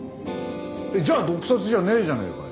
じゃあ毒殺じゃねえじゃねえかよ！